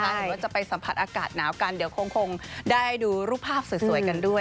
หรือว่าจะไปสัมผัสอากาศหนาวกันเดี๋ยวคงได้ดูรูปภาพสวยกันด้วย